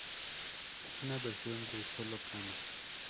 Es una versión de solo piano.